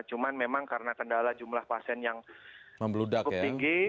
cuma memang karena kendala jumlah pasien yang cukup tinggi